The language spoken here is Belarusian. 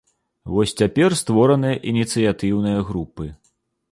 Вось цяпер створаныя ініцыятыўныя групы.